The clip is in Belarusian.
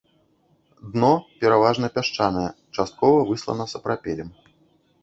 Дно пераважна пясчанае, часткова выслана сапрапелем.